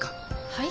はい？